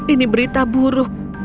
ini berita buruk